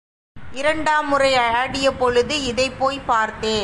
இரண்டாம் முறை ஆடியபொழுது இதைப்போய்ப் பார்த்தேன்.